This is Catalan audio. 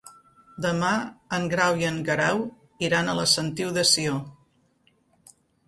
Demà en Grau i en Guerau iran a la Sentiu de Sió.